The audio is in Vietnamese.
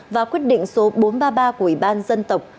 và quyết định số bốn trăm ba mươi ba của ủy ban dân tộc